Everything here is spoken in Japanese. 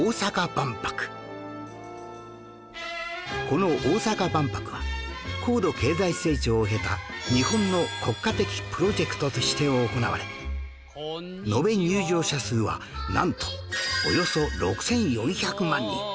この大阪万博は高度経済成長を経た日本の国家的プロジェクトとして行われ延べ入場者数はなんとおよそ６４００万人